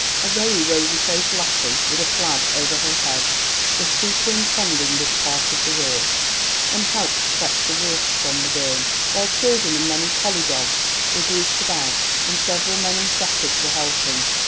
A very rosy faced lassie, with a plaid over her head, was superintending this part of the work, and helped to fetch the water from the burn, while children and many collie dogs were grouped about, and several men and shepherds were helping.